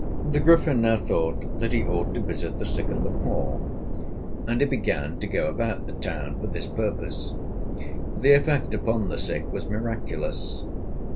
The Griffin now thought that he ought to visit the sick and the poor; and he began to go about the town for this purpose. The effect upon the sick was miraculous.